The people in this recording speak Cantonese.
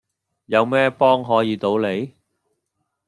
有咩幫可以到你?